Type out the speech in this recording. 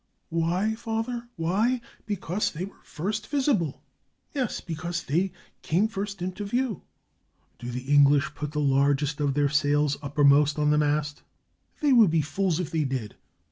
"Why, father — why — because they were first visible. Yes, because they came first into view." "Do the English put the largest of their sails upper most on the mast?" "They would be fools if they did.